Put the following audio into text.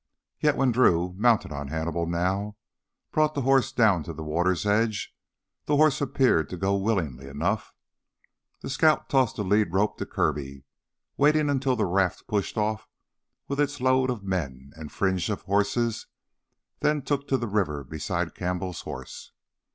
Yet when Drew, mounted on Hannibal now, brought the horse down to the water's edge, the horse appeared to go willingly enough. The scout tossed the lead rope to Kirby, waiting until the raft pushed off with its load of men and fringe of horses, then took to the river beside Campbell's horse.